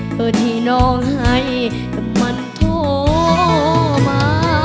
เพื่อที่น้องให้กับมันโทรมา